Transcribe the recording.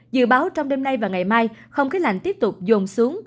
dự báo trong đêm nay và ngày mai không khí lạnh tiếp tục dồn xuống